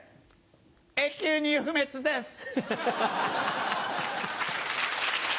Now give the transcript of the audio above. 永久に不滅です。ハハハ。